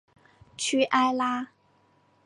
屈埃拉。